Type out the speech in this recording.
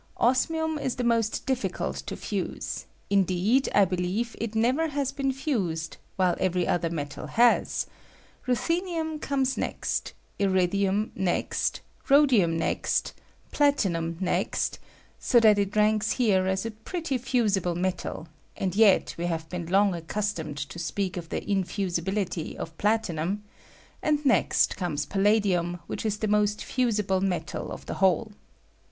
Osmi um is the most difficult to fuse: indeed, I be ll i I ri V I EXTRACTION BY THE WET PROCESS. 189 lieve it never has been fused, while every oth er metal has ; ruthenium cornea next, iridium next, rhodium ^ext, platinum next (so that it ranks here as a pretty fusible metaJ, and yet we have been long accustomed to speak of the infusibility of platinum), and next comes palla dium, which 13 the most fusible metal of the whole.